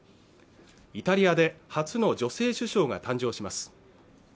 イタリアで初の女性首相が誕生します